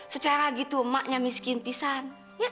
secara gitu emaknya miskin pisan